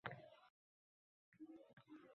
rastasiga shior osish yo‘li bilan ifoda etdi?